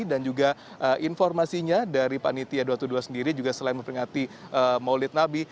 dan juga informasinya dari panitia dua ratus dua belas sendiri juga selain memperingati maulid nabi